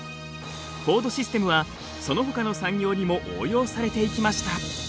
フォードシステムはそのほかの産業にも応用されていきました。